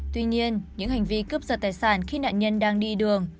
tuy nhiên những hành vi cướp giật tài sản khi nạn nhân đang đi đường